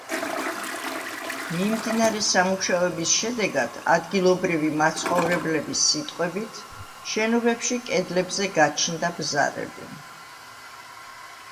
მიმდინარე სამუშაოების შედეგად, ადგილობრივი მაცხოვრებლების სიტყვებით, შენობებში კედლებზე გაჩნდა ბზარები.